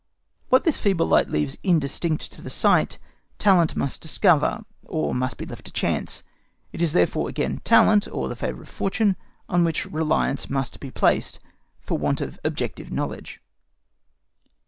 What this feeble light leaves indistinct to the sight talent must discover, or must be left to chance. It is therefore again talent, or the favour of fortune, on which reliance must be placed, for want of objective knowledge.